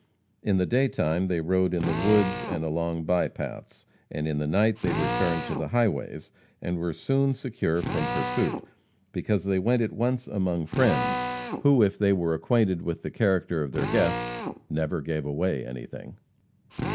In the day time they rode in the woods and along by paths; in the night they returned to the highways, and were soon secure from pursuit because they went at once among friends who, if they were acquainted with the character of their guests, "never gave away anything."